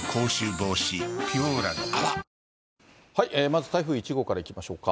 まず台風１号からいきましょうか。